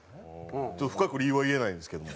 深く理由は言えないんですけども。